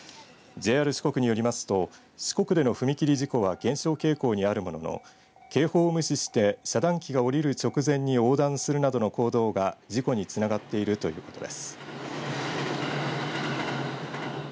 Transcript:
ＪＲ四国によりますと四国での踏み切り事故は減少傾向にあるものの警報を無視して遮断機が下りる直前に横断するなどの行動が事故につながっているということです。